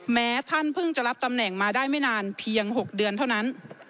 แม้ท่านเพิ่งจะรับตำแหน่งมาได้ไม่นานเพียง๖เดือนเท่านั้น